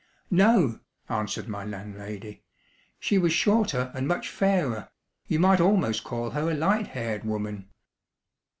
"No," answered my landlady; "she was shorter and much fairer. You might almost call her a light haired woman."